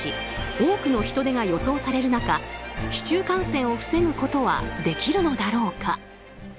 多くの人出が予想される中市中感染を防ぐことはできるのだろうか。